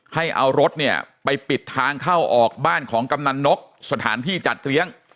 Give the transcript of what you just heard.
ให้เอารถเนี่ยไปปิดทางเข้าออกบ้านของกำนันนกสถานที่จัดเลี้ยง